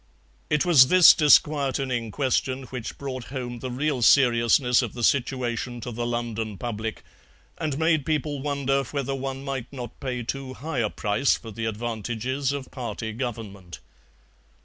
It was this disquietening question which brought home the real seriousness of the situation to the London public, and made people wonder whether one might not pay too high a price for the advantages of party government.